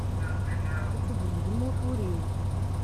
Ad tt-id-teẓẓgem ur turiw.